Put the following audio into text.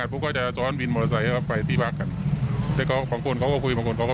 รองผู้ประชาการตำรวจนครบานก็ออกมาบอกว่า